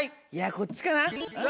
いやこっちかな。